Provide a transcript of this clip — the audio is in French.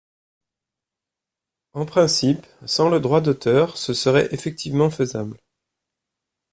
En principe, sans le droit d’auteur, ce serait effectivement faisable.